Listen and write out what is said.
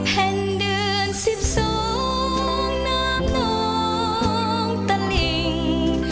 แผ่นเดือนสิบสองน้ำน้องตะลิ่ง